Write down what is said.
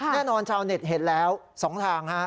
แน่นอนชาวเน็ตเห็นแล้ว๒ทาง